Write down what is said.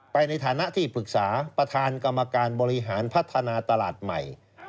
ในฐานะที่ปรึกษาประธานกรรมการบริหารพัฒนาตลาดใหม่